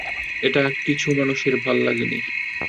এটা কিছু মানুষের ভাল্লাগেনি।